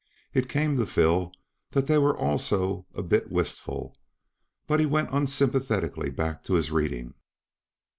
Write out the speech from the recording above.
It came to Phil that they were also a bit wistful, but he went unsympathetically back to his reading.